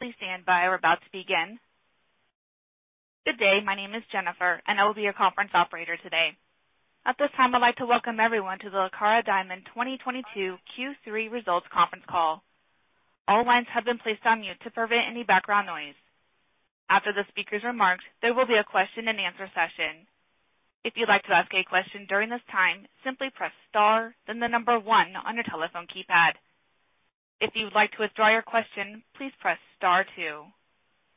Please stand by. We're about to begin. Good day. My name is Jennifer, and I will be your conference operator today. At this time, I'd like to welcome everyone to the Lucara Diamond 2022 Q3 results conference call. All lines have been placed on mute to prevent any background noise. After the speaker's remarks, there will be a question-and-answer session. If you'd like to ask a question during this time, simply press star then the number one on your telephone keypad. If you would like to withdraw your question, please press star two.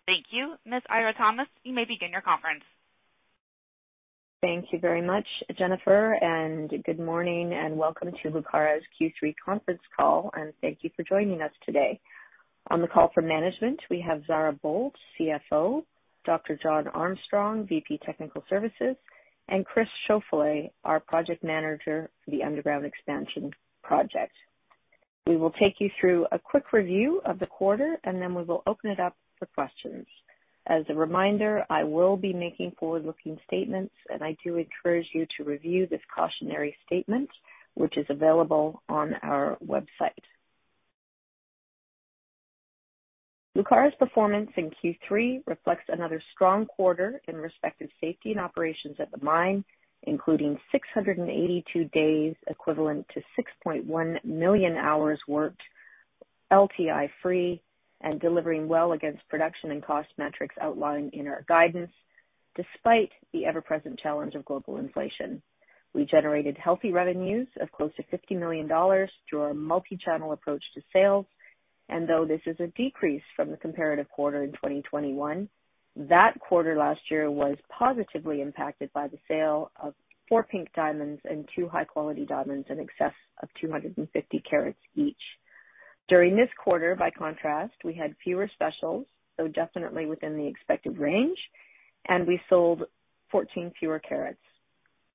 Thank you. Ms. Eira Thomas, you may begin your conference. Thank you very much, Jennifer, and good morning and welcome to Lucara's Q3 conference call, and thank you for joining us today. On the call for management, we have Zara Boldt, CFO, Dr. John Armstrong, VP Technical Services, and Chris Schauffele, our Project Manager for the Underground Expansion Project. We will take you through a quick review of the quarter, and then we will open it up for questions. As a reminder, I will be making forward-looking statements, and I do encourage you to review this cautionary statement, which is available on our website. Lucara's performance in Q3 reflects another strong quarter with respect to safety and operations at the mine, including 682 days, equivalent to 6.1 million hours worked LTI-free and delivering well against production and cost metrics outlined in our guidance despite the ever-present challenge of global inflation. We generated healthy revenues of close to $50 million through our multi-channel approach to sales. Though this is a decrease from the comparative quarter in 2021, that quarter last year was positively impacted by the sale of four pink diamonds and two high-quality diamonds in excess of 250 carats each. During this quarter, by contrast, we had fewer specials, though definitely within the expected range, and we sold 14 fewer carats.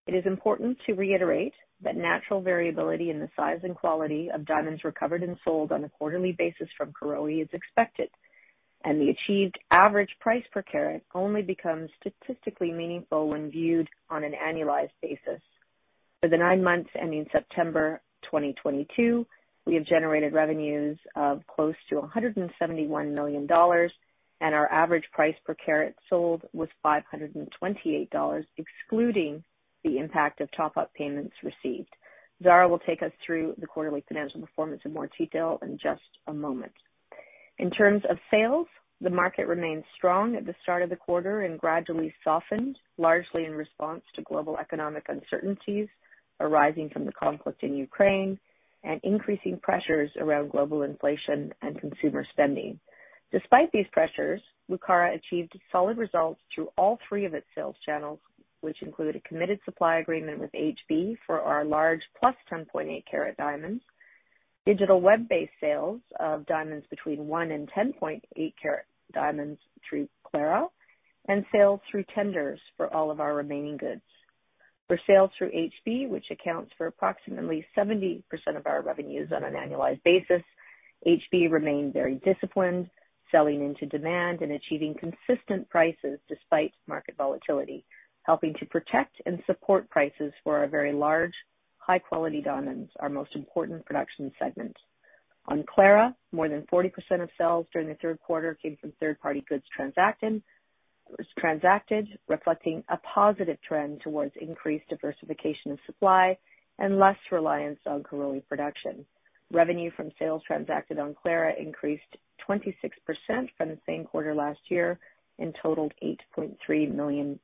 It is important to reiterate that natural variability in the size and quality of diamonds recovered and sold on a quarterly basis from Karowe is expected, and the achieved average price per carat only becomes statistically meaningful when viewed on an annualized basis. For the nine months ending September 2022, we have generated revenues of close to $171 million, and our average price per carat sold was $528, excluding the impact of top-up payments received. Zara will take us through the quarterly financial performance in more detail in just a moment. In terms of sales, the market remained strong at the start of the quarter and gradually softened, largely in response to global economic uncertainties arising from the conflict in Ukraine and increasing pressures around global inflation and consumer spending. Despite these pressures, Lucara achieved solid results through all three of its sales channels, which include a committed supply agreement with HB for our large +10.8 carat diamonds, digital web-based sales of diamonds between one and 10.8 carat diamonds through Clara, and sales through tenders for all of our remaining goods. For sales through HB, which accounts for approximately 70% of our revenues on an annualized basis, HB remained very disciplined, selling into demand and achieving consistent prices despite market volatility, helping to protect and support prices for our very large, high-quality diamonds, our most important production segment. On Clara, more than 40% of sales during the third quarter came from third-party goods transacted, reflecting a positive trend towards increased diversification of supply and less reliance on Karowe production. Revenue from sales transacted on Clara increased 26% from the same quarter last year and totaled $8.3 million.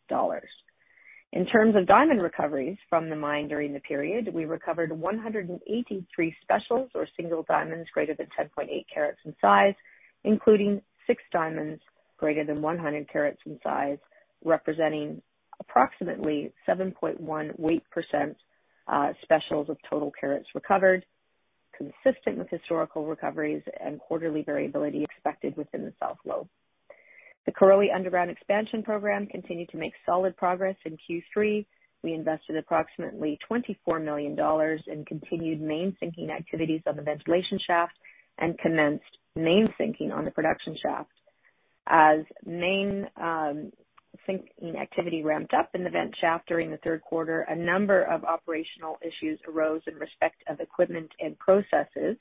In terms of diamond recoveries from the mine during the period, we recovered 183 specials or single diamonds greater than 10.8 carats in size, including six diamonds greater than 100 carats in size, representing approximately 7.1 weight percent specials of total carats recovered, consistent with historical recoveries and quarterly variability expected within the South Lobe. The Karowe Underground Expansion program continued to make solid progress in Q3. We invested approximately $24 million in continued main sinking activities on the ventilation shaft and commenced main sinking on the production shaft. As main sinking activity ramped up in the vent shaft during the third quarter, a number of operational issues arose in respect of equipment and processes,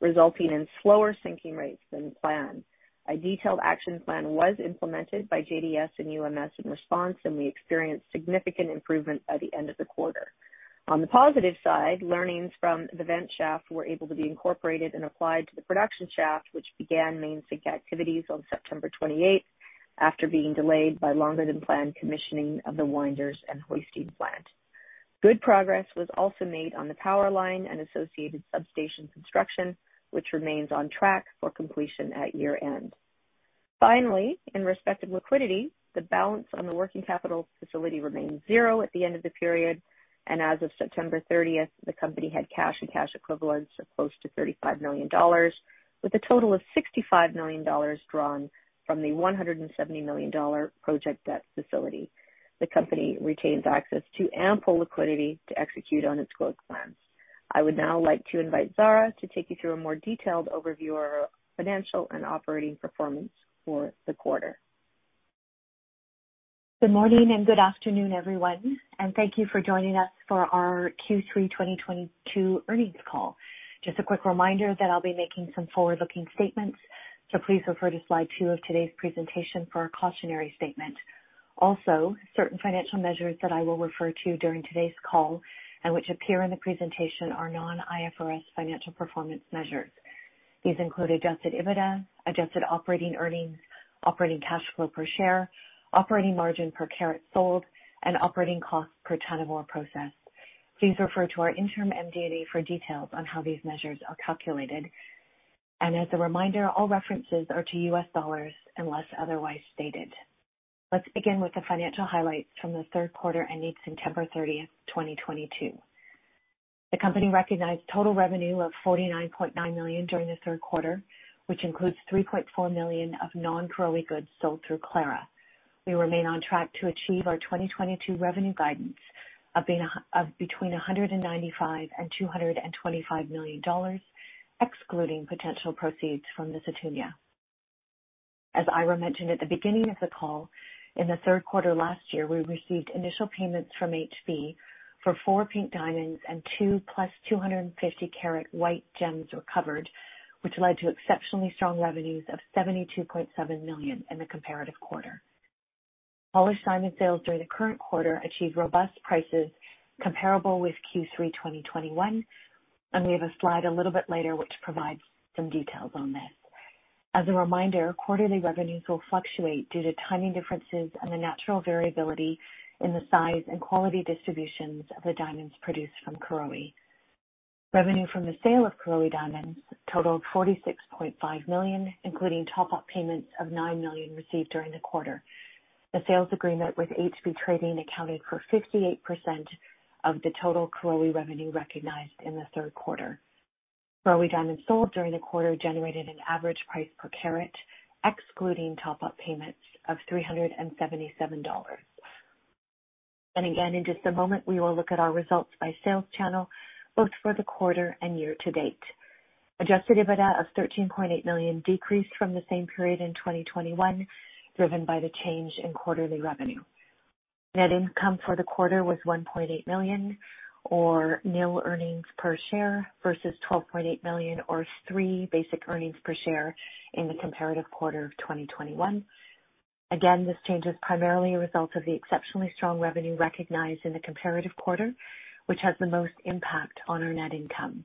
resulting in slower sinking rates than planned. A detailed action plan was implemented by JDS and UMS in response, and we experienced significant improvement by the end of the quarter. On the positive side, learnings from the vent shaft were able to be incorporated and applied to the production shaft, which began main sink activities on September 28th after being delayed by longer than planned commissioning of the winders and hoisting plant. Good progress was also made on the power line and associated substation construction, which remains on track for completion at year-end. Finally, in respect of liquidity, the balance on the working capital facility remained zero at the end of the period, and as of September 30th, the company had cash and cash equivalents of close to $35 million, with a total of $65 million drawn from the $170 million project debt facility. The company retains access to ample liquidity to execute on its growth plans. I would now like to invite Zara to take you through a more detailed overview of our financial and operating performance for the quarter. Good morning and good afternoon, everyone, and thank you for joining us for our Q3 2022 earnings call. Just a quick reminder that I'll be making some forward-looking statements, so please refer to slide two of today's presentation for a cautionary statement. Also, certain financial measures that I will refer to during today's call and which appear in the presentation are non-IFRS financial performance measures. These include adjusted EBITDA, adjusted operating earnings, operating cash flow per share, operating margin per carat sold, and operating costs per ton of ore processed. Please refer to our interim MD&A for details on how these measures are calculated. As a reminder, all references are to U.S. dollars unless otherwise stated. Let's begin with the financial highlights from the third quarter ending September 30, 2022. The company recognized total revenue of $49.9 million during the third quarter, which includes $3.4 million of non-Karowe goods sold through Clara. We remain on track to achieve our 2022 revenue guidance of between $195 million and $225 million, excluding potential proceeds from the Sethunya. As Eira mentioned at the beginning of the call, in the third quarter last year, we received initial payments from HB for four pink diamonds and two +250 carat white gems recovered, which led to exceptionally strong revenues of $72.7 million in the comparative quarter. Polished diamond sales during the current quarter achieved robust prices comparable with Q3 2021, and we have a slide a little bit later which provides some details on this. As a reminder, quarterly revenues will fluctuate due to timing differences and the natural variability in the size and quality distributions of the diamonds produced from Karowe. Revenue from the sale of Karowe diamonds totaled $46.5 million, including top-up payments of $9 million received during the quarter. The sales agreement with HB Antwerp accounted for 58% of the total Karowe revenue recognized in the third quarter. Karowe diamonds sold during the quarter generated an average price per carat, excluding top-up payments, of $377. In just a moment, we will look at our results by sales channel, both for the quarter and year-to-date. Adjusted EBITDA of $13.8 million decreased from the same period in 2021, driven by the change in quarterly revenue. Net income for the quarter was $1.8 million, or nil earnings per share, versus $12.8 million or 0.03 basic earnings per share in the comparative quarter of 2021. Again, this change is primarily a result of the exceptionally strong revenue recognized in the comparative quarter, which has the most impact on our net income.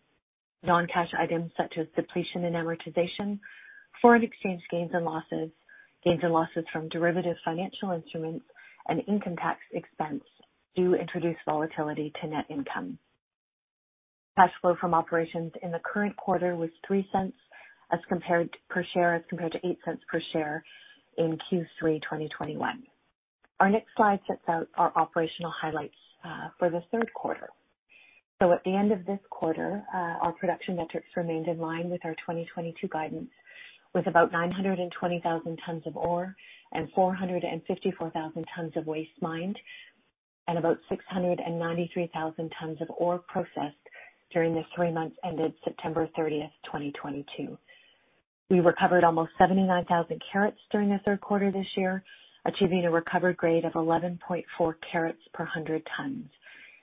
Non-cash items such as depletion and amortization, foreign exchange gains and losses, gains and losses from derivative financial instruments, and income tax expense do introduce volatility to net income. Cash flow from operations in the current quarter was $0.03 per share, as compared to $0.08 per share in Q3 2021. Our next slide sets out our operational highlights for the third quarter. At the end of this quarter, our production metrics remained in line with our 2022 guidance, with about 920,000 tons of ore and 454,000 tons of waste mined, and about 693,000 tons of ore processed during the three months ended September 30, 2022. We recovered almost 79,000 carats during the third quarter this year, achieving a recovered grade of 11.4 carats per hundred tons.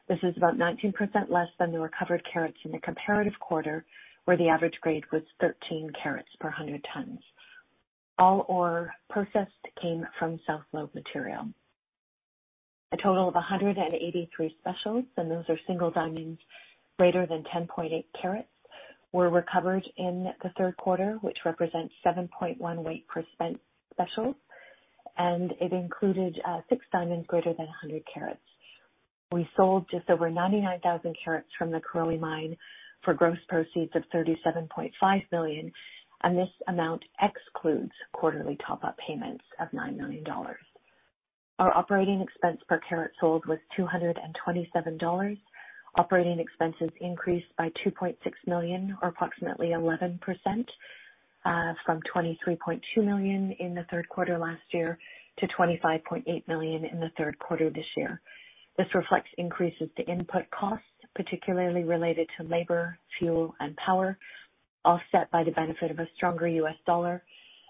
This is about 19% less than the recovered carats in the comparative quarter, where the average grade was 13 carats per hundred tons. All ore processed came from South Lobe material. A total of 183 specials, and those are single diamonds greater than 10.8 carats, were recovered in the third quarter, which represents 7.1 weight percent specials, and it included six diamonds greater than 100 carats. We sold just over 99,000 carats from the Karowe Mine for gross proceeds of $37.5 million, and this amount excludes quarterly top-up payments of $9 million. Our operating expense per carat sold was $227. Operating expenses increased by $2.6 million, or approximately 11%, from $23.2 million in the third quarter last year to $25.8 million in the third quarter this year. This reflects increases to input costs, particularly related to labor, fuel, and power, offset by the benefit of a stronger U.S. dollar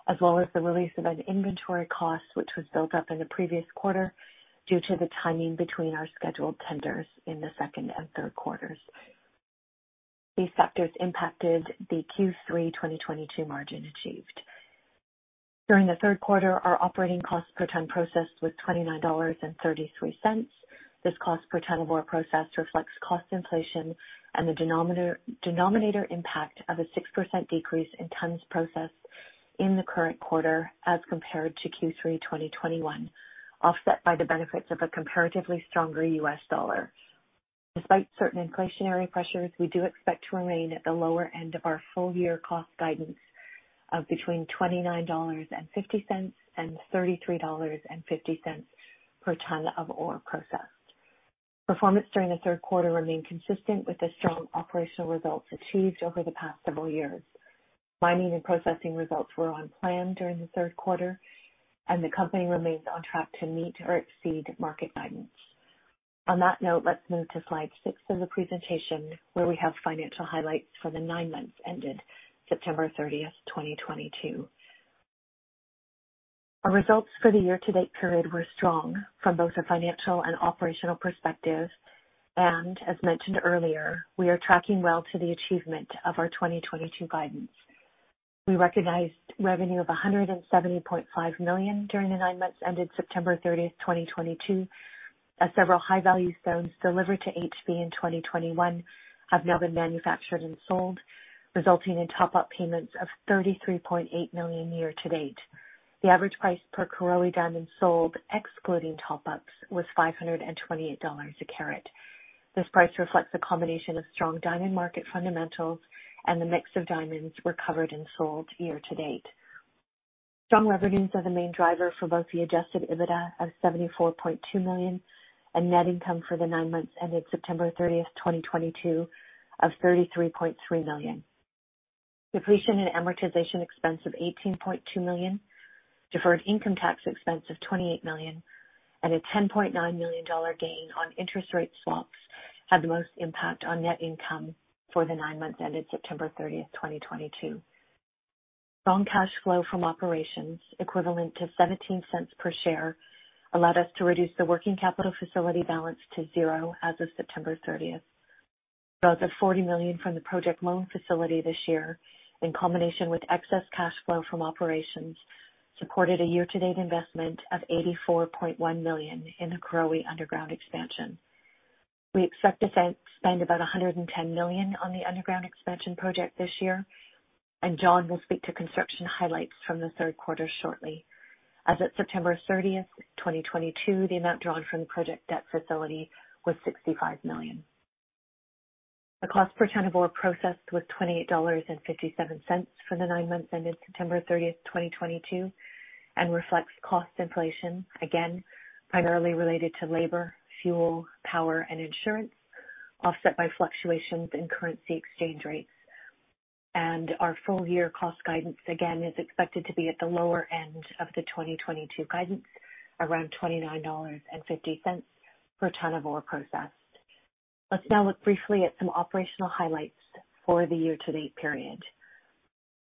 as well as the release of an inventory cost which was built up in the previous quarter due to the timing between our scheduled tenders in the second and third quarters. These factors impacted the Q3 2022 margin achieved. During the third quarter, our operating costs per ton processed was $29.33. This cost per ton of ore processed reflects cost inflation and the denominator impact of a 6% decrease in tons processed in the current quarter as compared to Q3 2021, offset by the benefits of a comparatively stronger U.S. dollar. Despite certain inflationary pressures, we do expect to remain at the lower end of our full year cost guidance of between $29.50 and $33.50 per ton of ore processed. Performance during the third quarter remained consistent with the strong operational results achieved over the past several years. Mining and processing results were on plan during the third quarter, and the company remains on track to meet or exceed market guidance. On that note, let's move to slide six of the presentation, where we have financial highlights for the nine months ended September 30, 2022. Our results for the year-to-date period were strong from both a financial and operational perspective. As mentioned earlier, we are tracking well to the achievement of our 2022 guidance. We recognized revenue of $170.5 million during the nine months ended September 30, 2022, as several high-value stones delivered to HB Antwerp in 2021 have now been manufactured and sold, resulting in top-up payments of $33.8 million year-to-date. The average price per Karowe diamond sold, excluding top-ups, was $528 a carat. This price reflects a combination of strong diamond market fundamentals and the mix of diamonds recovered and sold year-to-date. Strong revenues are the main driver for both the adjusted EBITDA of $74.2 million and net income for the nine months ended September 30, 2022, of $33.3 million. Depreciation and amortization expense of $18.2 million, deferred income tax expense of $28 million, and a $10.9 million gain on interest rate swaps had the most impact on net income for the nine months ended September 30th, 2022. Strong cash flow from operations equivalent to $0.17 per share allowed us to reduce the working capital facility balance to zero as of September 30th. Draws of $40 million from the project loan facility this year, in combination with excess cash flow from operations, supported a year-to-date investment of $84.1 million in the Karowe underground expansion. We expect to spend about $110 million on the underground expansion project this year, and John will speak to construction highlights from the third quarter shortly. As of September 30th, 2022, the amount drawn from the project debt facility was $65 million. The cost per ton of ore processed was $28.57 for the nine months ended September 30, 2022, and reflects cost inflation, again, primarily related to labor, fuel, power, and insurance, offset by fluctuations in currency exchange rates. Our full-year cost guidance, again, is expected to be at the lower end of the 2022 guidance, around $29.50 per ton of ore processed. Let's now look briefly at some operational highlights for the year-to-date period.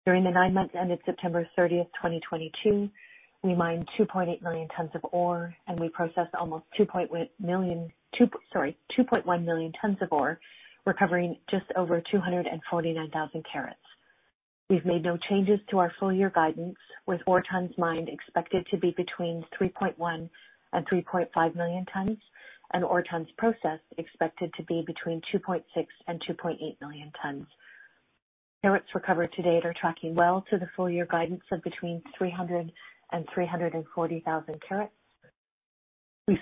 During the nine months ended September 30, 2022, we mined 2.8 million tons of ore, and we processed almost 2.1 million tons of ore, recovering just over 249,000 carats. We've made no changes to our full-year guidance, with ore tons mined expected to be between 3.1-3.5 million tons and ore tons processed expected to be between 2.6-2.8 million tons. Carats recovered to date are tracking well to the full-year guidance of between 300-340 thousand carats. We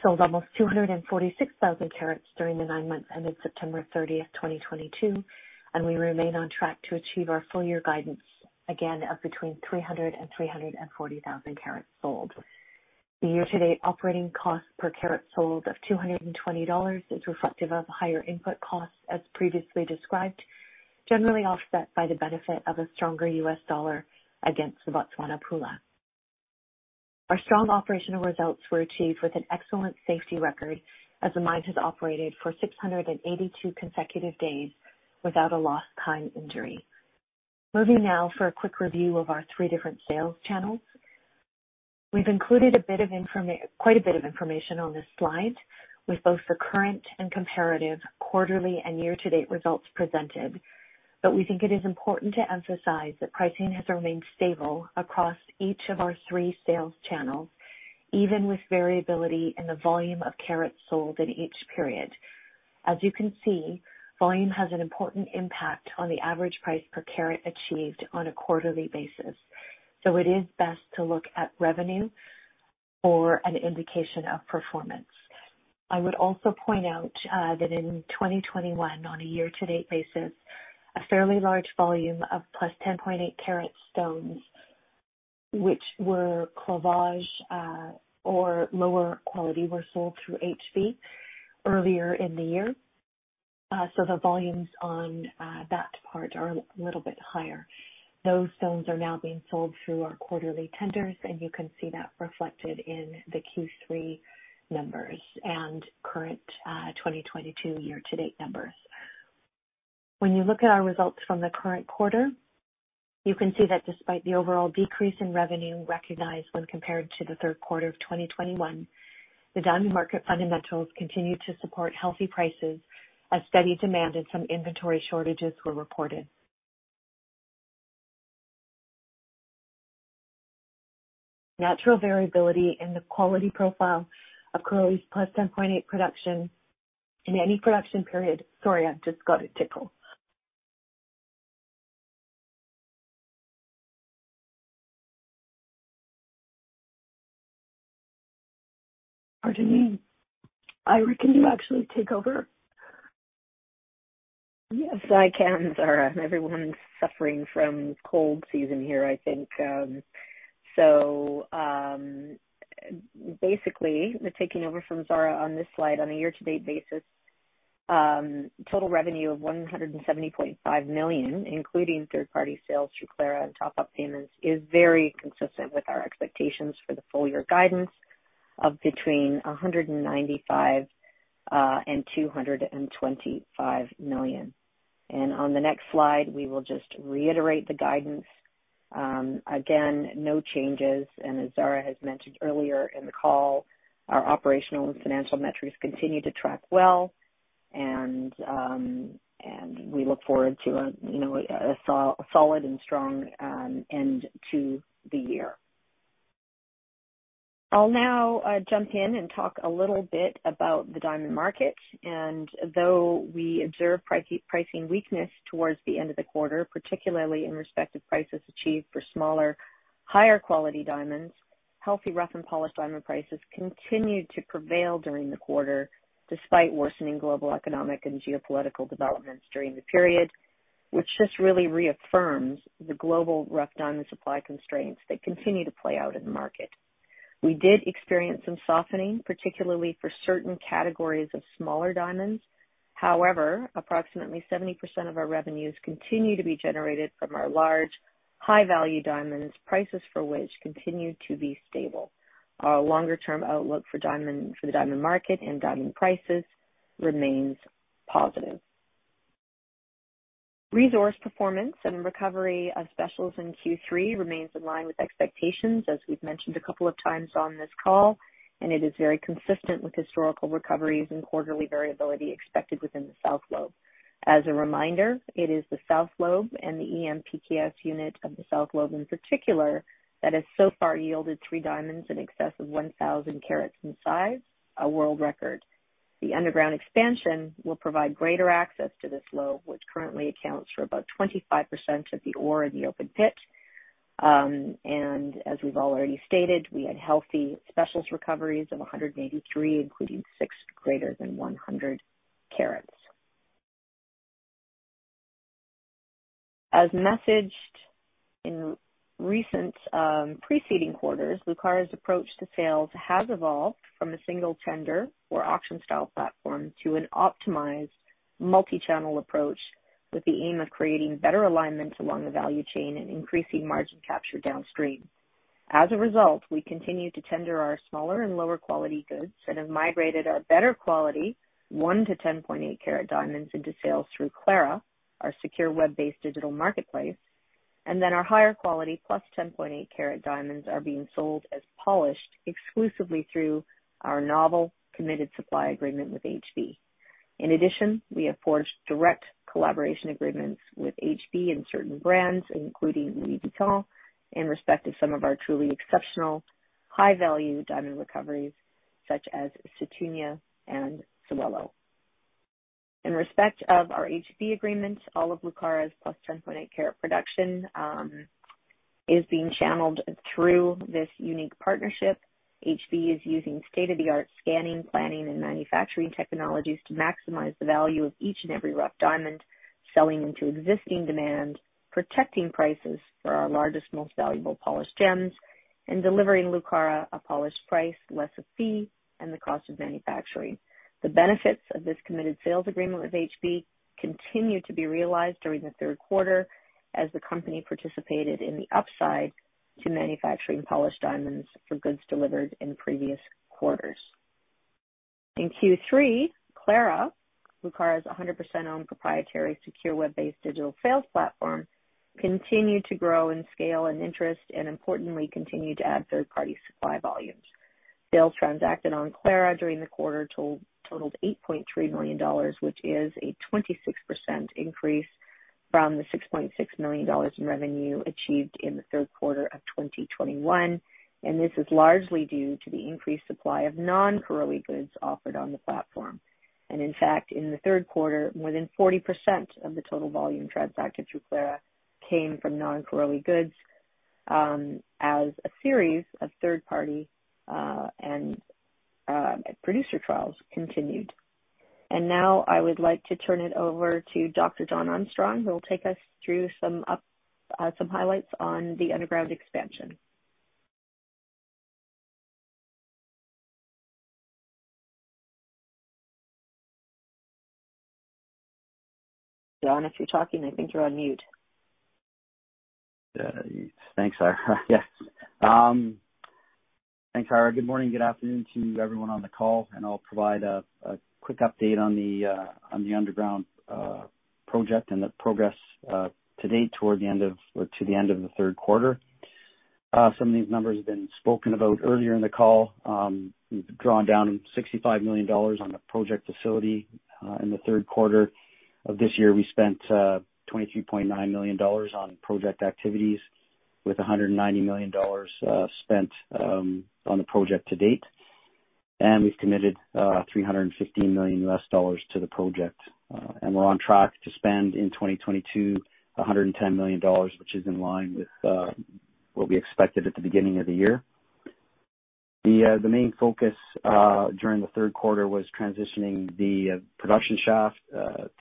sold almost 246,000 carats during the nine months ended September 30, 2022, and we remain on track to achieve our full year guidance again of between 300-340 thousand carats sold. The year-to-date operating cost per carat sold of $220 is reflective of higher input costs as previously described, generally offset by the benefit of a stronger U.S. dollar against the Botswana pula. Our strong operational results were achieved with an excellent safety record as the mine has operated for 682 consecutive days without a lost time injury. Moving now for a quick review of our three different sales channels. We've included quite a bit of information on this slide with both the current and comparative quarterly and year-to-date results presented. We think it is important to emphasize that pricing has remained stable across each of our three sales channels, even with variability in the volume of carats sold in each period. As you can see, volume has an important impact on the average price per carat achieved on a quarterly basis, so it is best to look at revenue for an indication of performance. I would also point out that in 2021, on a year-to-date basis, a fairly large volume of +10.8 carat stones, which were cleavage or lower quality, were sold through HB earlier in the year. The volumes on that part are a little bit higher. Those stones are now being sold through our quarterly tenders, and you can see that reflected in the Q3 numbers and current 2022 year-to-date numbers. When you look at our results from the current quarter, you can see that despite the overall decrease in revenue recognized when compared to the third quarter of 2021, the diamond market fundamentals continued to support healthy prices as steady demand and some inventory shortages were reported. Natural variability in the quality profile of Karowe's +10.8 production in any production period. Sorry, I've just got a tickle. Pardon me. Eira, can you actually take over? Yes, I can, Zara. Everyone's suffering from cold season here, I think. Basically, taking over from Zara on this slide on a year-to-date basis, total revenue of $170.5 million, including third party sales through Clara and top up payments, is very consistent with our expectations for the full year guidance of between $195 and $225 million. On the next slide, we will just reiterate the guidance. Again, no changes. As Zara has mentioned earlier in the call, our operational and financial metrics continue to track well. We look forward to a solid and strong end to the year. I'll now jump in and talk a little bit about the diamond market. Though we observe pricing weakness towards the end of the quarter, particularly in respect to prices achieved for smaller, higher quality diamonds, healthy rough and polished diamond prices continued to prevail during the quarter, despite worsening global economic and geopolitical developments during the period, which just really reaffirms the global rough diamond supply constraints that continue to play out in the market. We did experience some softening, particularly for certain categories of smaller diamonds. However, approximately 70% of our revenues continue to be generated from our large, high value diamonds, prices for which continue to be stable. Our longer-term outlook for diamond, for the diamond market and diamond prices remains positive. Resource performance and recovery of specials in Q3 remains in line with expectations, as we've mentioned a couple of times on this call, and it is very consistent with historical recoveries and quarterly variability expected within the South Lobe. As a reminder, it is the South Lobe and the EM/PK(S) unit of the South Lobe in particular, that has so far yielded three diamonds in excess of 1,000 carats in size, a world record. The underground expansion will provide greater access to this lobe, which currently accounts for about 25% of the ore in the open pit. As we've already stated, we had healthy specials recoveries of 183, including six greater than 100 carats. As messaged in recent, preceding quarters, Lucara's approach to sales has evolved from a single tender or auction style platform to an optimized multi-channel approach, with the aim of creating better alignment along the value chain and increasing margin capture downstream. As a result, we continue to tender our smaller and lower quality goods and have migrated our better quality one to 10.8 carat diamonds into sales through Clara, our secure web-based digital marketplace. Then our higher quality +10.8 carat diamonds are being sold as polished exclusively through our novel committed supply agreement with HB. In addition, we have forged direct collaboration agreements with HB and certain brands, including Louis Vuitton, in respect of some of our truly exceptional high value diamond recoveries such as Sethunya and Sewelô. In respect of our HB agreements, all of Lucara's +10.8 carat production is being channeled through this unique partnership. HB is using state-of-the-art scanning, planning, and manufacturing technologies to maximize the value of each and every rough diamond, selling into existing demand, protecting prices for our largest, most valuable polished gems, and delivering Lucara a polished price, less a fee and the cost of manufacturing. The benefits of this committed sales agreement with HB continued to be realized during the third quarter as the company participated in the upside to manufacturing polished diamonds for goods delivered in previous quarters. In Q3, Clara, Lucara's 100% owned proprietary secure web-based digital sales platform, continued to grow in scale and interest, and importantly, continued to add third-party supply volumes. Sales transacted on Clara during the quarter totaled $8.3 million, which is a 26% increase from the $6.6 million in revenue achieved in the third quarter of 2021. This is largely due to the increased supply of non-Karowe goods offered on the platform. In fact, in the third quarter, more than 40% of the total volume transacted through Clara came from non-Karowe goods, as a series of third party and producer trials continued. Now I would like to turn it over to Dr. John Armstrong, who will take us through some highlights on the underground expansion. John, if you're talking, I think you're on mute. Thanks, Eira. Good morning. Good afternoon to everyone on the call, and I'll provide a quick update on the underground project and the progress to date toward the end of the third quarter. Some of these numbers have been spoken about earlier in the call. We've drawn down $65 million on the project facility. In the third quarter of this year, we spent $23.9 million on project activities with $190 million spent on the project to date. We've committed $315 million to the project. We're on track to spend in 2022, $110 million, which is in line with what we expected at the beginning of the year. The main focus during the third quarter was transitioning the production shaft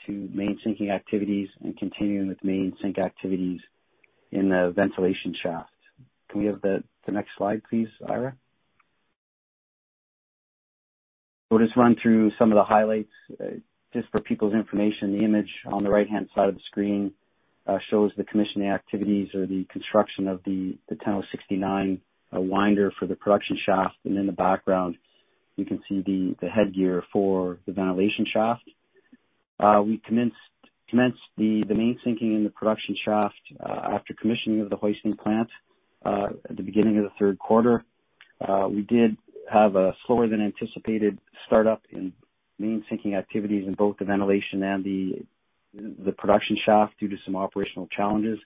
to main sinking activities and continuing with main sink activities in the ventilation shaft. Can we have the next slide, please, Eira? We'll just run through some of the highlights just for people's information. The image on the right-hand side of the screen shows the commissioning activities or the construction of the 10-69 winder for the production shaft, and in the background, you can see the headgear for the ventilation shaft. We commenced the main sinking in the production shaft after commissioning of the hoisting plant at the beginning of the third quarter. We did have a slower than anticipated startup in main sinking activities in both the ventilation and the production shaft due to some operational challenges.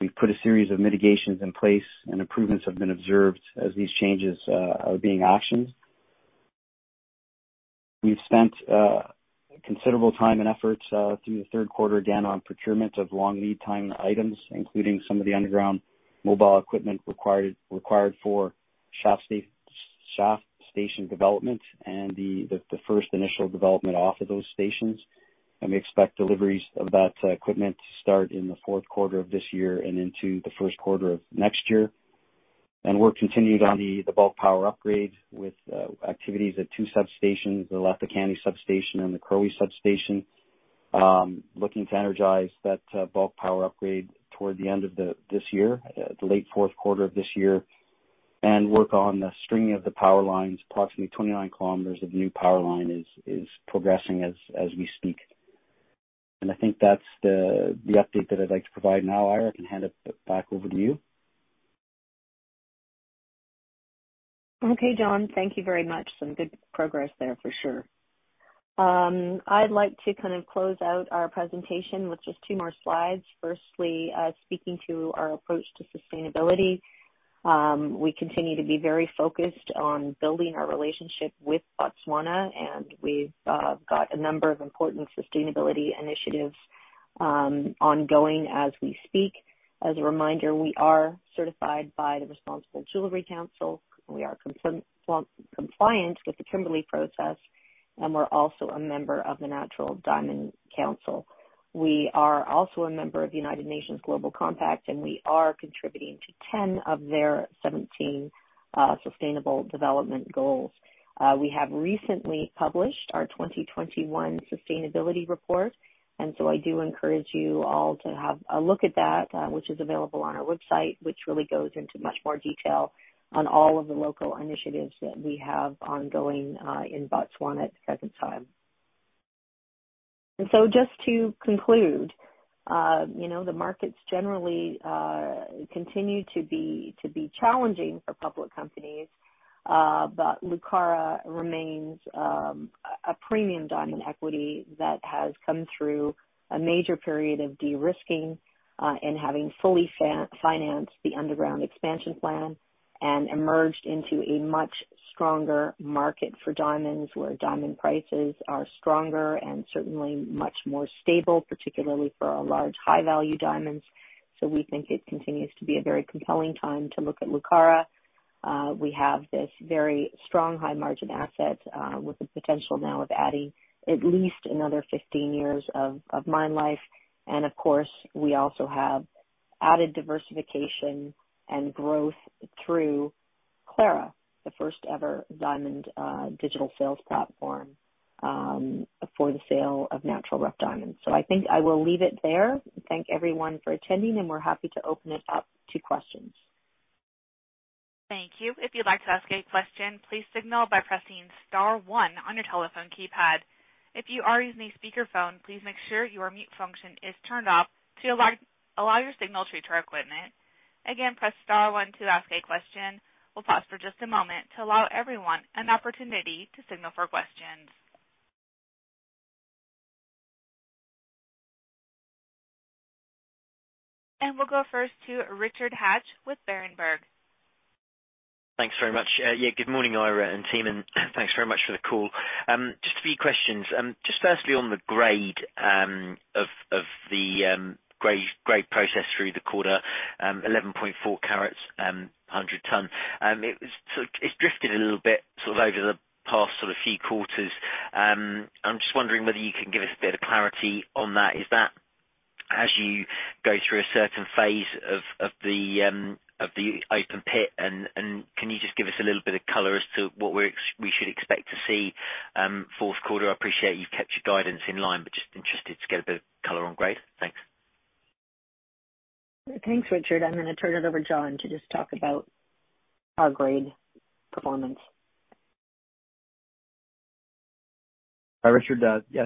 We've put a series of mitigations in place and improvements have been observed as these changes are being actioned. We've spent considerable time and effort through the third quarter, again on procurement of long lead time items, including some of the underground mobile equipment required for shaft station development and the first initial development off of those stations. We expect deliveries of that equipment to start in the fourth quarter of this year and into the first quarter of next year. Work continued on the bulk power upgrade with activities at two substations, the Letlhakane substation and the Karowe substation. Looking to energize that bulk power upgrade toward the end of this year, the late fourth quarter of this year. Work on the stringing of the power lines, approximately 29 km of new power line is progressing as we speak. I think that's the update that I'd like to provide now. Eira, I can hand it back over to you. Okay, John. Thank you very much. Some good progress there for sure. I'd like to kind of close out our presentation with just two more slides. Firstly, speaking to our approach to sustainability, we continue to be very focused on building our relationship with Botswana, and we've got a number of important sustainability initiatives ongoing as we speak. As a reminder, we are certified by the Responsible Jewellery Council, and we are compliant with the Kimberley Process, and we're also a member of the Natural Diamond Council. We are also a member of the United Nations Global Compact, and we are contributing to 10 of their 17 Sustainable Development Goals. We have recently published our 2021 sustainability report, and I do encourage you all to have a look at that, which is available on our website, which really goes into much more detail on all of the local initiatives that we have ongoing in Botswana at the present time. Just to conclude, you know, the markets generally continue to be challenging for public companies, but Lucara remains a premium diamond equity that has come through a major period of de-risking, and having fully financed the underground expansion plan and emerged into a much stronger market for diamonds, where diamond prices are stronger and certainly much more stable, particularly for our large high value diamonds. We think it continues to be a very compelling time to look at Lucara. We have this very strong high margin asset, with the potential now of adding at least another 15 years of mine life. Of course, we also have added diversification and growth through Clara, the first ever diamond digital sales platform, for the sale of natural rough diamonds. I think I will leave it there. Thank everyone for attending, and we're happy to open it up to questions. Thank you. If you'd like to ask any question, please signal by pressing star one on your telephone keypad. If you are using a speakerphone, please make sure your mute function is turned off to allow your signal through to our equipment. Again, press star one to ask a question. We'll pause for just a moment to allow everyone an opportunity to signal for questions. We'll go first to Richard Hatch with Berenberg. Thanks very much. Yeah, good morning, Eira and team, and thanks very much for the call. Just a few questions. Just firstly on the grade of the ore processed through the quarter, 11.4 carats per hundred ton. It's drifted a little bit, sort of over the past sort of few quarters. I'm just wondering whether you can give us a bit of clarity on that. Is that as you go through a certain phase of the open pit? Can you just give us a little bit of color as to what we should expect to see fourth quarter? I appreciate you've kept your guidance in line, but just interested to get a bit of color on grade. Thanks. Thanks, Richard. I'm gonna turn it over to John to just talk about our grade performance. Hi, Richard.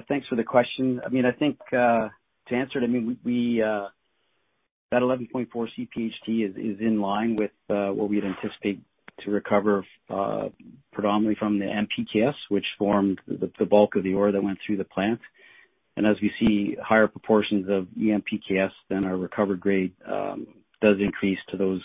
Thanks for the question. I mean, I think to answer it, I mean, we that 11.4 cpht is in line with what we'd anticipate to recover predominantly from the MPKS, which formed the bulk of the ore that went through the plant. As we see higher proportions of EMPKs, then our recovered grade does increase to those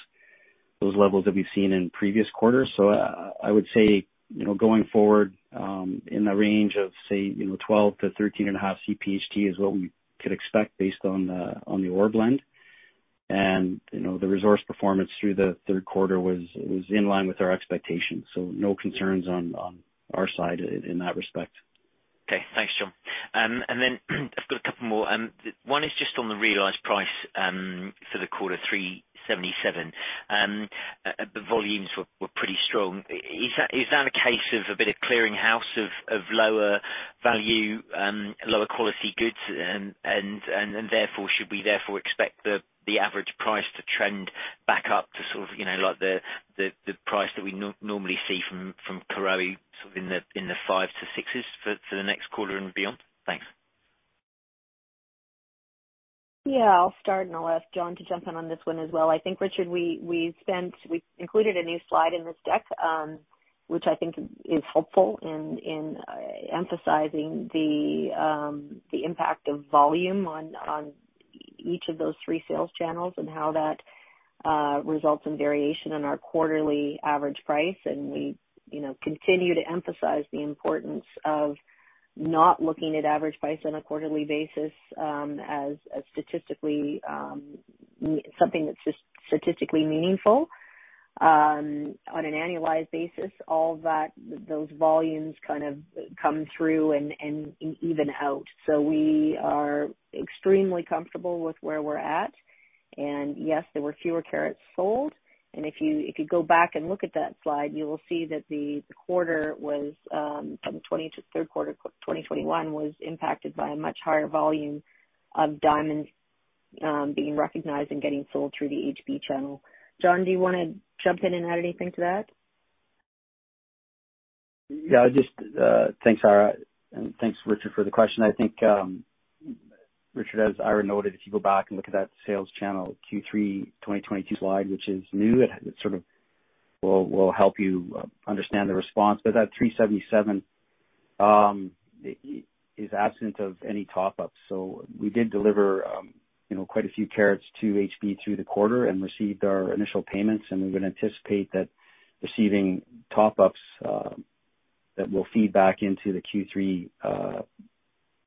levels that we've seen in previous quarters. I would say, you know, going forward in the range of, say, you know, 12-13.5 cpht is what we could expect based on the ore blend. You know, the resource performance through the third quarter was in line with our expectations, so no concerns on our side in that respect. Okay. Thanks, John. I've got a couple more. One is just on the realized price for the quarter $377. The volumes were pretty strong. Is that a case of a bit of clearing house of lower value lower quality goods and therefore should we expect the average price to trend back up to sort of, you know, like, the price that we normally see from Karowe, sort of in the $500-$600 for the next quarter and beyond? Thanks. Yeah, I'll start, and I'll ask John to jump in on this one as well. I think, Richard, we included a new slide in this deck, which I think is helpful in emphasizing the impact of volume on each of those three sales channels and how that results in variation on our quarterly average price. We, you know, continue to emphasize the importance of not looking at average price on a quarterly basis as something that's just statistically meaningful. On an annualized basis, all those volumes kind of come through and even out. We are extremely comfortable with where we're at. Yes, there were fewer carats sold. If you go back and look at that slide, you will see that the quarter was from 2020 to third quarter 2021 was impacted by a much higher volume of diamonds being recognized and getting sold through the HB channel. John, do you wanna jump in and add anything to that? Yeah, just thanks, Eira, and thanks, Richard, for the question. I think, Richard, as Eira noted, if you go back and look at that sales channel Q3 2022 slide, which is new, it sort of will help you understand the response. That $377 is absent of any top ups. We did deliver, you know, quite a few carats to HB through the quarter and received our initial payments, and we would anticipate that receiving top ups that will feed back into the Q3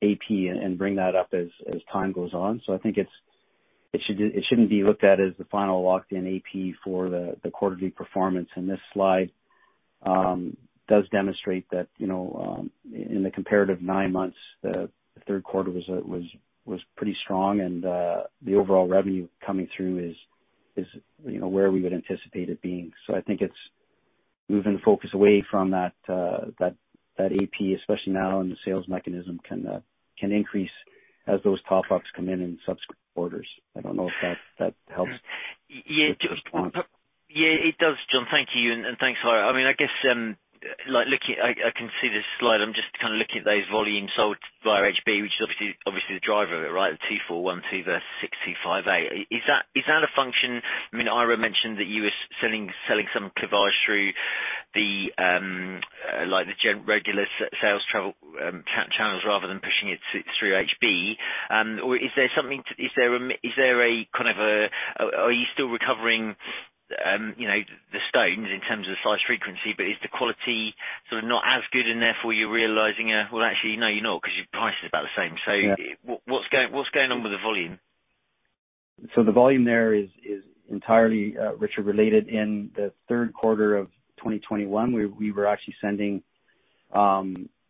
AP and bring that up as time goes on. I think it shouldn't be looked at as the final locked in AP for the quarterly performance. This slide does demonstrate that, you know, in the comparative nine months, the third quarter was pretty strong and the overall revenue coming through is you know, where we would anticipate it being. I think it's moving the focus away from that AP especially now and the sales mechanism can increase as those top ups come in in subsequent quarters. I don't know if that helps with the response. Yeah, it does, John. Thank you. Thanks, Eira. I mean, I guess, like, looking, I can see this slide. I'm just kind of looking at those volumes sold via HB, which is obviously the driver of it, right? The 2,412 versus 6,258. Is that a function? I mean, Eira mentioned that you were selling some cleavage through the regular sales channels rather than pushing it through HB. Or is there something, is there a kind of a, are you still recovering, you know, the stones in terms of the size frequency, but is the quality sort of not as good and therefore you're realizing, well, actually, no, you're not because your price is about the same. Yeah. What's going on with the volume? The volume there is entirely, Richard, related in the third quarter of 2021. We were actually sending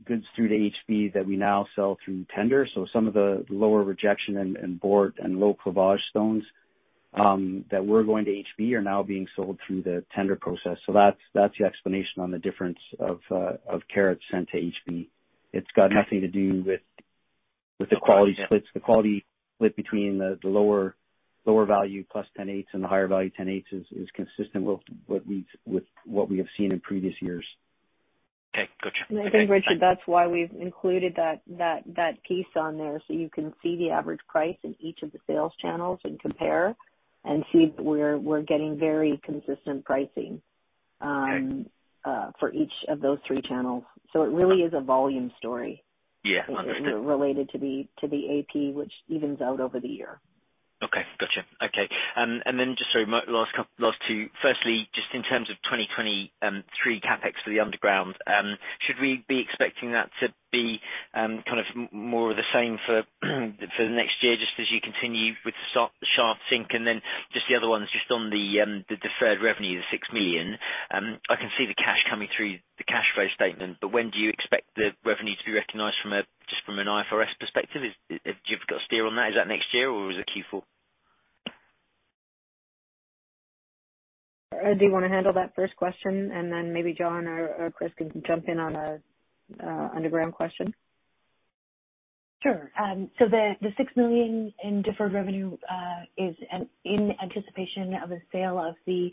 goods through to HB that we now sell through tender. Some of the lower rejection and bort and low cleavage stones that were going to HB are now being sold through the tender process. That's the explanation on the difference of carats sent to HB. It's got nothing to do with the quality splits. The quality split between the lower value plus 10.8s and the higher value 10.8s is consistent with what we have seen in previous years. Okay. Gotcha. I think, Richard, that's why we've included that piece on there, so you can see the average price in each of the sales channels and compare and see we're getting very consistent pricing. Okay. for each of those three channels. It really is a volume story. Yeah. Understood. Related to the AP, which evens out over the year. Okay. Gotcha. Okay. Last two. Firstly, just in terms of 2023 CapEx for the underground, should we be expecting that to be kind of more of the same for the next year just as you continue with the shaft sink? The other one is just on the deferred revenue, the $6 million. I can see the cash coming through the cash flow statement, but when do you expect the revenue to be recognized just from an IFRS perspective? Have you got a steer on that? Is that next year or is it Q4? Zara, do you wanna handle that first question, and then maybe John or Chris can jump in on a underground question? Sure. The $6 million in deferred revenue is in anticipation of the sale of the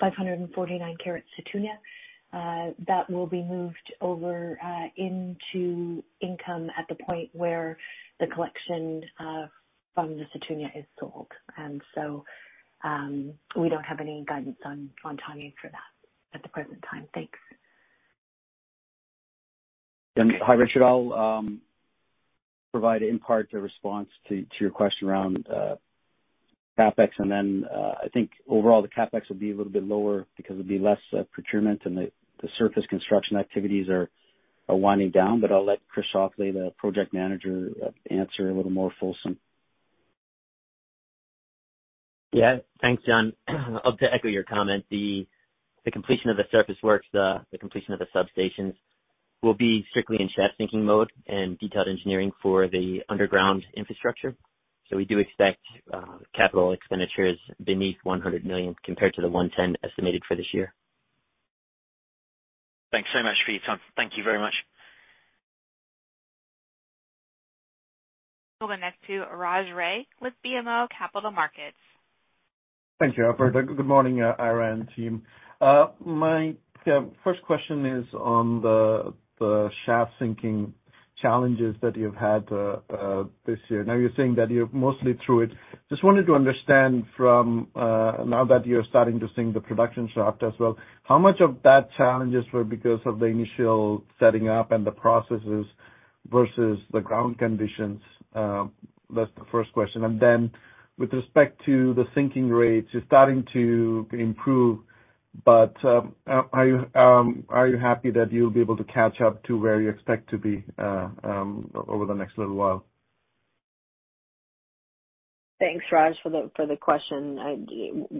549 carat Sethunya. That will be moved over into income at the point where the collection from the Sethunya is sold. We don't have any guidance on timing for that at the present time. Thanks. Hi, Richard. I'll provide in part a response to your question around CapEx. I think overall the CapEx will be a little bit lower because it'll be less procurement and the surface construction activities are winding down, but I'll let Chris Schauffele, the Project Manager, answer a little more fulsome. Yeah. Thanks, John. To echo your comment, the completion of the surface works, the completion of the substations will be strictly in shaft sinking mode and detailed engineering for the underground infrastructure. We do expect capital expenditures beneath $100 million compared to the $110 estimated for this year. Thanks so much for your time. Thank you very much. We'll go next to Raj Ray with BMO Capital Markets. Thank you. Good morning, Eira and team. My first question is on the shaft sinking challenges that you've had this year. Now you're saying that you're mostly through it. Just wanted to understand from now that you're starting to sink the production shaft as well, how much of that challenges were because of the initial setting up and the processes versus the ground conditions? That's the first question. Then with respect to the sinking rates, you're starting to improve, but are you happy that you'll be able to catch up to where you expect to be over the next little while? Thanks, Raj, for the question.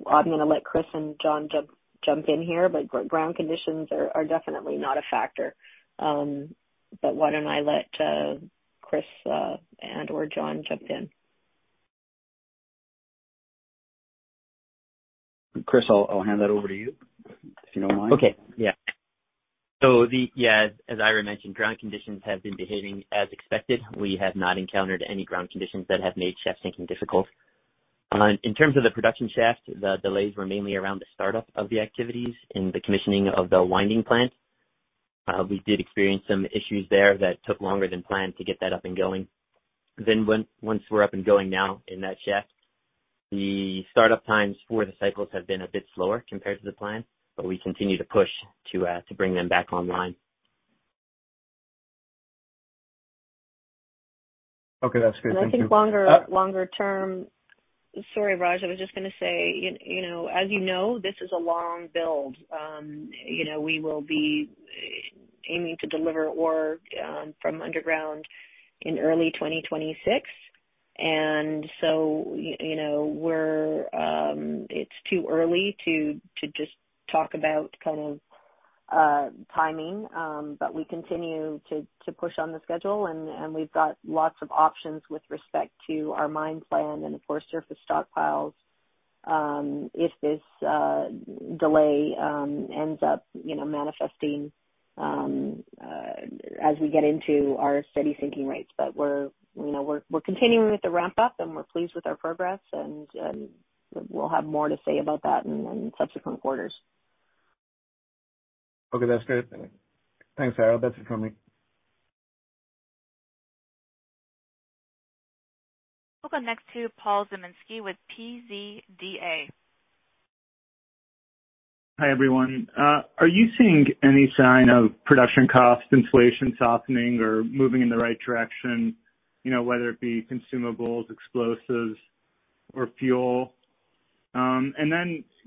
I'm gonna let Chris and John jump in here. Ground conditions are definitely not a factor. Why don't I let Chris and/or John jump in. Chris, I'll hand that over to you, if you don't mind. As Eira mentioned, ground conditions have been behaving as expected. We have not encountered any ground conditions that have made shaft sinking difficult. In terms of the production shaft, the delays were mainly around the startup of the activities and the commissioning of the winding plant. We did experience some issues there that took longer than planned to get that up and going. Once we're up and going now in that shaft, the startup times for the cycles have been a bit slower compared to the plan, but we continue to push to bring them back online. Okay, that's good. Thank you. I think longer term. Sorry, Raj, I was just gonna say, you know, as you know, this is a long build. You know, we will be aiming to deliver ore from underground in early 2026. You know, we're, it's too early to just talk about kind of timing, but we continue to push on the schedule, and we've got lots of options with respect to our mine plan and of course, surface stockpiles, if this delay ends up, you know, manifesting as we get into our steady sinking rates. You know, we're continuing with the ramp up, and we're pleased with our progress, and we'll have more to say about that in subsequent quarters. Okay. That's great. Thanks, Eira. That's it for me. We'll go next to Paul Zimnisky with PZDA. Hi, everyone. Are you seeing any sign of production cost inflation softening or moving in the right direction, you know, whether it be consumables, explosives or fuel?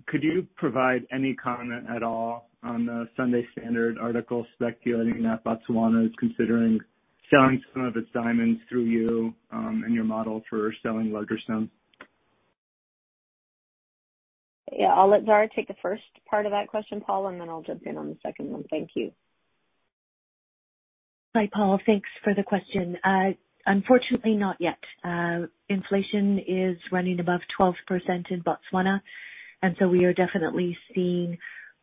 Could you provide any comment at all on the Sunday Standard article speculating that Botswana is considering selling some of its diamonds through you, and your model for selling larger stones? Yeah. I'll let Zara take the first part of that question, Paul, and then I'll jump in on the second one. Thank you. Hi, Paul. Thanks for the question. Unfortunately, not yet. Inflation is running above 12% in Botswana, and so we are definitely seeing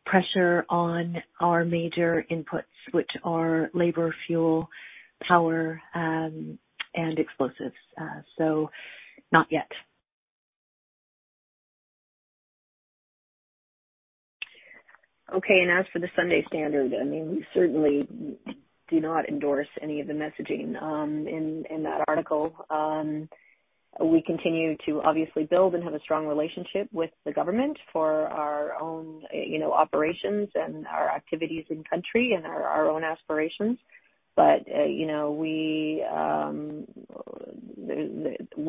pressure on our major inputs, which are labor, fuel, power, and explosives. Not yet. Okay. As for the Sunday Standard, I mean, we certainly do not endorse any of the messaging in that article. We continue to obviously build and have a strong relationship with the government for our own, you know, operations and our activities in country and our own aspirations. You know, we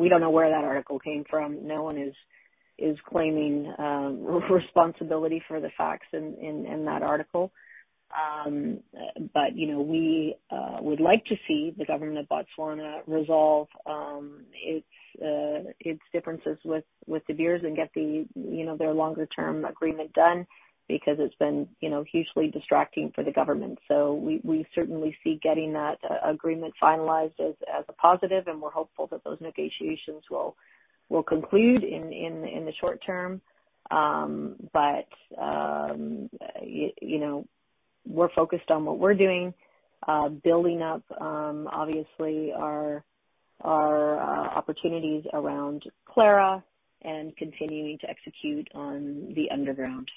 don't know where that article came from. No one is claiming responsibility for the facts in that article. But, you know, we would like to see the government of Botswana resolve its differences with De Beers and get their longer-term agreement done because it's been, you know, hugely distracting for the government. We certainly see getting that agreement finalized as a positive, and we're hopeful that those negotiations will conclude in the short term. You know, we're focused on what we're doing, building up obviously our opportunities around Clara and continuing to execute on the underground.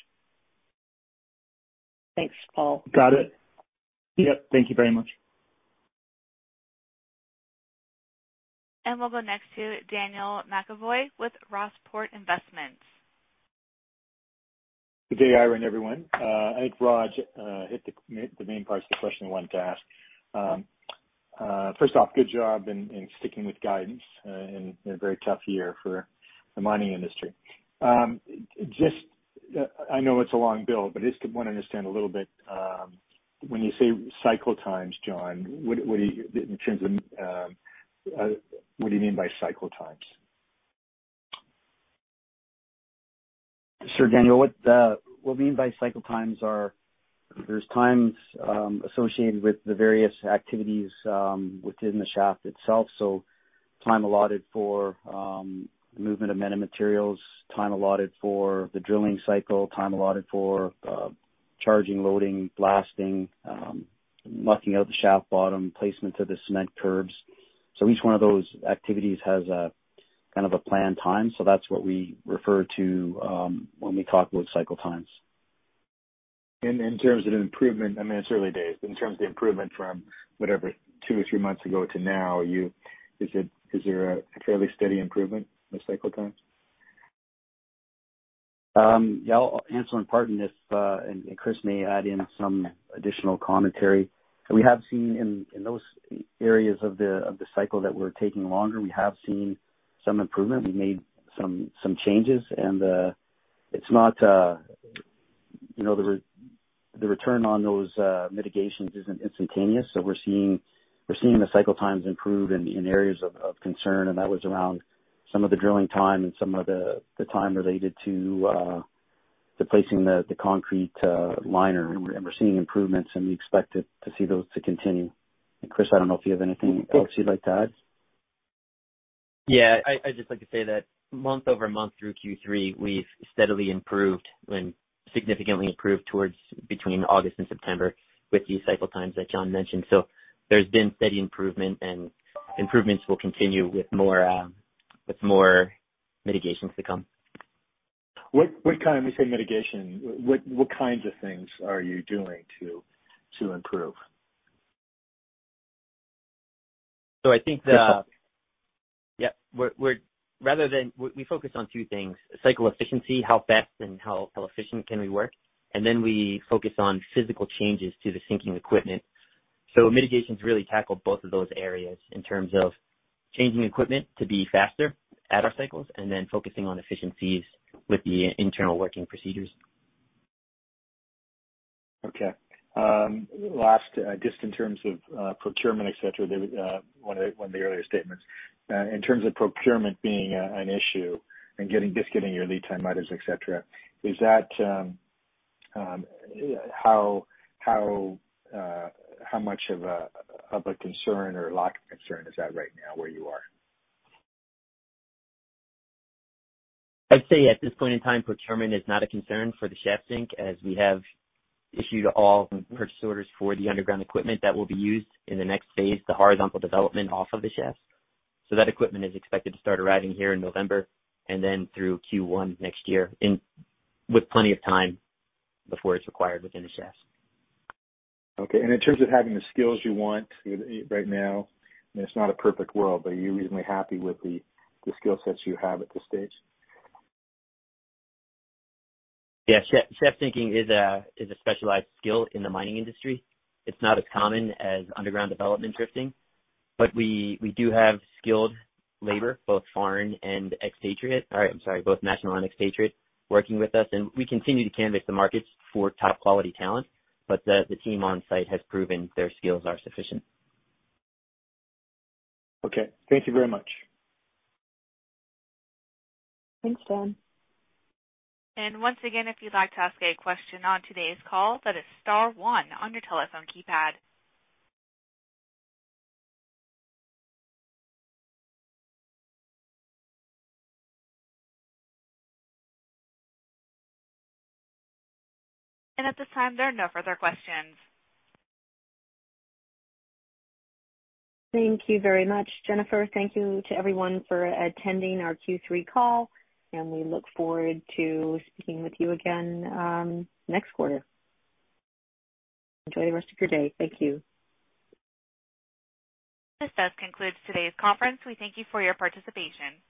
Thanks, Paul. Got it. Yep. Thank you very much. We'll go next to Daniel McConvey with Rossport Investments. Good day, Eira, and everyone. I think Raj hit the main parts of the question I wanted to ask. First off, good job in sticking with guidance in a very tough year for the mining industry. I know it's a long build, but I just want to understand a little bit, when you say cycle times, John, what do you mean by cycle times in terms of? Sure, Daniel. What we mean by cycle times are there's times associated with the various activities within the shaft itself. Time allotted for the movement of men and materials, time allotted for the drilling cycle, time allotted for charging, loading, blasting, mucking out the shaft bottom, placement of the cement curbs. Each one of those activities has a kind of a planned time. That's what we refer to when we talk about cycle times. In terms of improvement, I mean, it's early days. In terms of the improvement from whatever two or three months ago to now, is there a fairly steady improvement in cycle times? Yeah, I'll answer and pardon this, and Chris may add in some additional commentary. We have seen in those areas of the cycle that we're taking longer, we have seen some improvement. We made some changes, and it's not, you know, the return on those mitigations isn't instantaneous. We're seeing the cycle times improve in areas of concern, and that was around some of the drilling time and some of the time related to replacing the concrete liner. We're seeing improvements and we expect it to see those to continue. Chris, I don't know if you have anything else you'd like to add. Yeah. I'd just like to say that month-over-month through Q3, we've steadily improved and significantly improved towards between August and September with these cycle times that John mentioned. There's been steady improvement and improvements will continue with more mitigations to come. What kind of, when you say mitigation, what kinds of things are you doing to improve? I think the. Just- Yeah. We focus on two things. Cycle efficiency, how fast and how efficient can we work? We focus on physical changes to the sinking equipment. Mitigations really tackle both of those areas in terms of changing equipment to be faster at our cycles, and then focusing on efficiencies with the internal working procedures. Okay. Last, just in terms of procurement, et cetera, one of the earlier statements. In terms of procurement being an issue and just getting your lead time items, et cetera, is that how much of a concern or lack of concern is that right now where you are? I'd say at this point in time, procurement is not a concern for the shaft sink, as we have issued all purchase orders for the underground equipment that will be used in the next phase, the horizontal development off of the shaft. That equipment is expected to start arriving here in November and then through Q1 next year in, with plenty of time before it's required within the shaft. Okay. In terms of having the skills you want right now, and it's not a perfect world, but are you reasonably happy with the skill sets you have at this stage? Yeah. Shaft sinking is a specialized skill in the mining industry. It's not as common as underground development drifting, but we do have skilled labor, both foreign and expatriate. I'm sorry, both national and expatriate working with us, and we continue to canvass the markets for top quality talent. The team on site has proven their skills are sufficient. Okay. Thank you very much. Thanks, John. Once again, if you'd like to ask a question on today's call, that is star one on your telephone keypad. At this time, there are no further questions. Thank you very much, Jennifer. Thank you to everyone for attending our Q3 call, and we look forward to speaking with you again, next quarter. Enjoy the rest of your day. Thank you. This does conclude today's conference. We thank you for your participation.